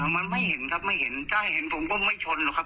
มันไม่เห็นครับไม่เห็นถ้าเห็นผมก็ไม่ชนหรอกครับ